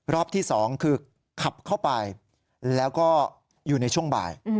รอบที่๒คือขับเข้าไปแล้วก็อยู่ในช่วงบ่าย